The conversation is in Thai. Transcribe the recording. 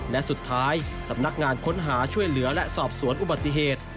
และสุดท้ายสำนักงานค้นหาช่วยเหลือและสอบสวนอุบัติเหตุ